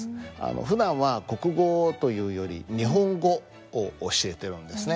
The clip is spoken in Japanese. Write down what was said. ふだんは国語というより日本語を教えてるんですね。